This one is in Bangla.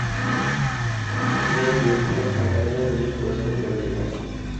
চিনের বিরুদ্ধে ফাইনালে উনি প্রথম গোলটি করেন।